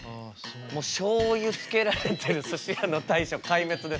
しょうゆつけられてるすし屋の大将壊滅です。